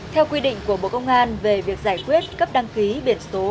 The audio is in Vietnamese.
theo quy định của bộ công an về việc giải quyết cấp đăng ký biển số